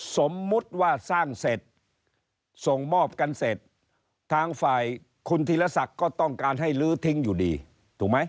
สมมุติว่าสร้างเสร็จส่งมอบกันเสร็จทางฝ่ายคุณธีรศักดิ์ก็ต้องการให้ลื้อทิ้งอยู่ดีถูกไหม